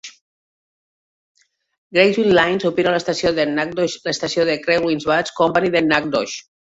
Greyhound Lines opera l'estació de Nacogdoches a l'estació de Kerrville Bus Company de Nacogdoches.